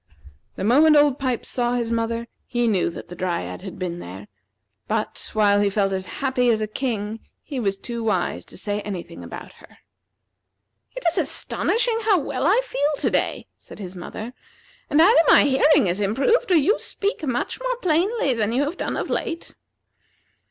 The moment Old Pipes saw his mother, he knew that the Dryad had been there; but, while he felt as happy as a king, he was too wise to say any thing about her. "It is astonishing how well I feel to day," said his mother; "and either my hearing has improved or you speak much more plainly than you have done of late."